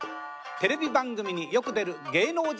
「テレビ番組によく出る芸能人」。